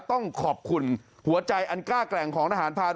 ต้องขอบคุณหัวใจอันกล้าแกร่งของทหารผ่าน